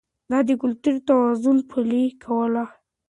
ده د کلتوري توازن پالنه کوله.